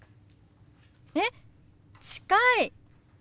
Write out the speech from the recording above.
えっ近い！